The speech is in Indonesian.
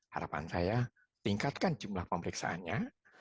harapan saya tingkatkan jumlah pemeriksaannya